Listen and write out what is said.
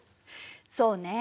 そうね。